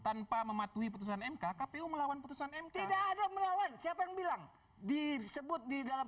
tanpa mematuhi putusan mk kpu melawan putusan m tidak ada melawan siapa yang bilang disebut di dalam